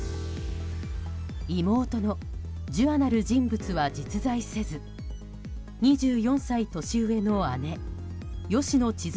妹の樹亞なる人物は実在せず２４歳年上の姉吉野千鶴